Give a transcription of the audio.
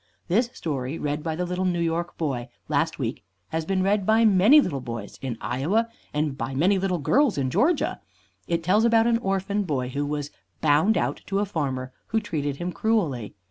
This story read by the little New York boy last week has been read by many little boys in Iowa, and by many little girls in Georgia. It tells about an orphan boy who was "bound out" to a farmer who treated him cruelly.